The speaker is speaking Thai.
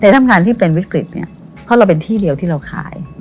ทำงานที่เป็นวิกฤตเนี่ยเพราะเราเป็นที่เดียวที่เราขาย